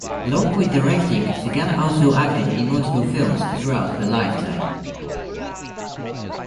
Along with directing, Sagan also acted in multiple films throughout her lifetime.